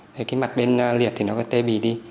cái mặt bên liệt thì nó có thể tê bì đi